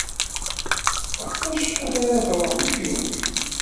Ɣef wacḥal ara tṛuḥem kenwi?